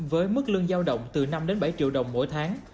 với mức lương giao động từ năm đến bảy triệu đồng mỗi tháng